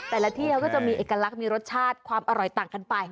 แต่ละที่เขาก็จะมีเอกลักษณ์มีรสชาติความอร่อยต่างกันไป